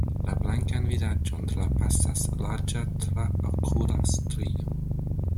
La blankan vizaĝon trapasas larĝa traokula strio.